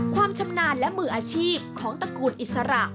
ความชำนาญและมืออาชีพของตระกูลอิสระ